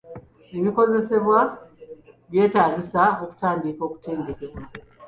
Ebikozesebwa byetaagisa okutandika okutendekebwa.